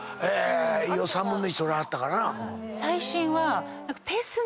胃を３分の１取りはったかな。